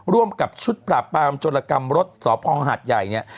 ร่วมกับชุดปราบปรามโจรกรรมรถสพหาดใหญ่เนี่ย